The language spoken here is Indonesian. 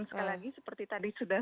sekali lagi seperti tadi sudah